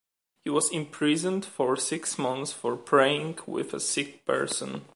He was imprisoned for six months for praying with a sick person.